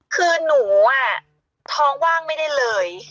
คือหนูท้องว่างไม่ได้เลย